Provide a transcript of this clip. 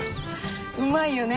うまいよね。